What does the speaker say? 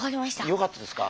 よかったですか？